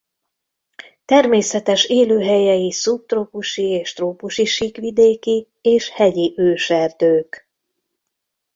Természetes élőhelyei szubtrópusi és trópusi síkvidéki és hegyi esőerdők.